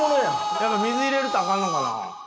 やっぱ水入れるとアカンのかな？